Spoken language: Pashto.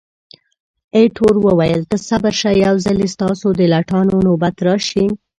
ایټور وویل، ته صبر شه، یو ځلي ستاسو د لټانو نوبت راشي.